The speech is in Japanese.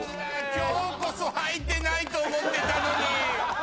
今日こそはいてないと思ってたのに。